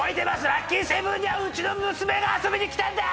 『ラッキーセブン』にはうちの娘が遊びに来たんだ！